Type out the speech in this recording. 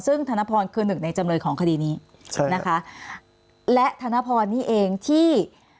ซึ่งธนพรคือหนึ่งในจำเลยของคดีนี้ใช่นะคะและธนพรนี่เองที่